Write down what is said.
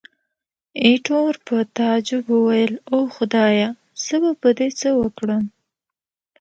ایټور په تعجب وویل، اوه خدایه! زه به په دې څه وکړم.